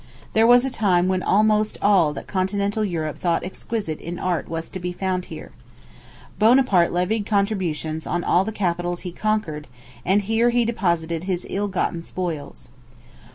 There was a time when almost all that continental Europe thought exquisite in art was to be found here. Bonaparte levied contributions on all the capitals he conquered, and here he deposited his ill gotten spoils.